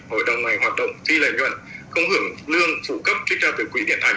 hội đồng này hoạt động phi lệ nhuận không hưởng lương phủ cấp trích ra từ quỹ điện ảnh